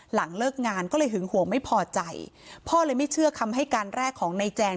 หลังเลิกงานก็เลยหึงห่วงไม่พอใจพ่อเลยไม่เชื่อคำให้การแรกของนายแจง